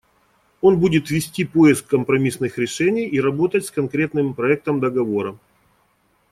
Он будет вести поиск компромиссных решений и работать с конкретным проектом договора.